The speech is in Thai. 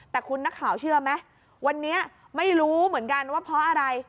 แต่คุณนักข่าวเชื่อไหมวันนี้ไม่รู้เหมือนกันว่าเพราะอะไร